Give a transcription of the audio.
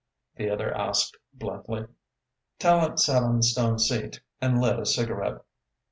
the other asked bluntly. Tallente sat on the stone seat and lit a cigarette.